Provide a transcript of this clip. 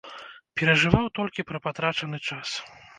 Перажываў толькі пра патрачаны час.